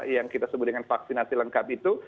yang kita sebut dengan vaksinasi lengkap itu